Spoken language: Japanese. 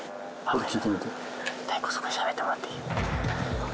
大光そこでしゃべってもらっていい？